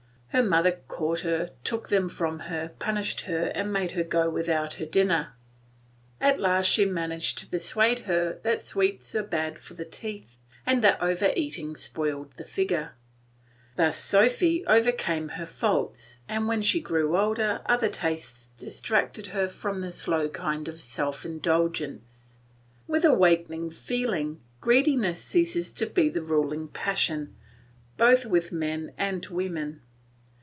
Her mother caught her, took them from her, punished her, and made her go without her dinner. At last she managed to persuade her that sweets were bad for the teeth, and that over eating spoiled the figure. Thus Sophy overcame her faults; and when she grew older other tastes distracted her from this low kind of self indulgence. With awakening feeling greediness ceases to be the ruling passion, both with men and women.